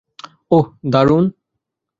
ওহ, দারুণ।